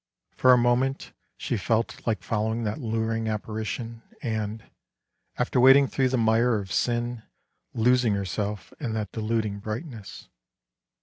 For a moment she felt like following that luring apparition and, after wading through the mire of sin, losing herself in that deluding brightness.